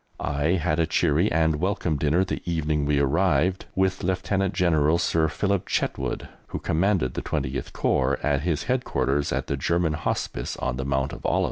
I had a cheery and welcome dinner the evening we arrived with Lieutenant General Sir Philip Chetwode, who commanded the 20th Corps, at his headquarters at the German Hospice on the Mount of Olives.